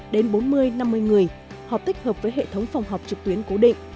đến bốn mươi năm mươi người họp tích hợp với hệ thống phòng họp trực tuyến cố định